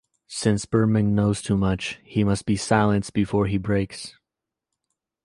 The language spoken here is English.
Since Bergman knows too much, he must be silenced before he breaks.